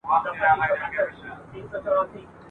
ويل پلاره يوه ډله ماشومان وه !.